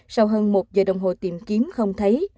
sau hơn một giờ đồng hồ tìm kiếm không thấy